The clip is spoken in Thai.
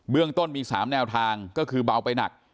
เรื่องต้นมี๓แนวทางก็คือเบาไปหนัก